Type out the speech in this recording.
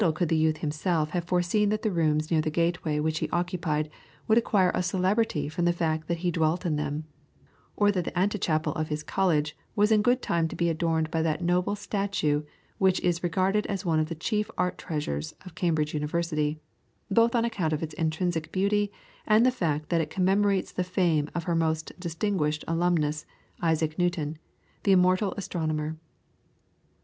Little could the youth himself have foreseen that the rooms near the gateway which he occupied would acquire a celebrity from the fact that he dwelt in them, or that the ante chapel of his college was in good time to be adorned by that noble statue, which is regarded as one of the chief art treasures of Cambridge University, both on account of its intrinsic beauty and the fact that it commemorates the fame of her most distinguished alumnus, Isaac Newton, the immortal astronomer.